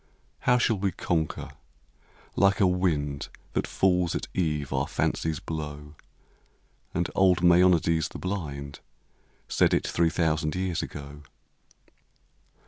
How shall we conquer ? Like a wind That falls at eve our fancies blow, v*iA j. And old Maeonides the blind Said it three thousand years ago.